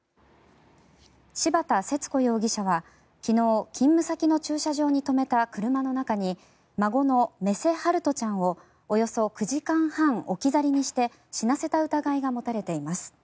柴田節子容疑者は昨日勤務先の駐車場に止めた車の中に孫の目瀬陽翔ちゃんをおよそ９時間半置き去りにして死なせた疑いが持たれています。